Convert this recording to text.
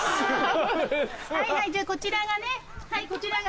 はいはいじゃこちらがねはいこちらが。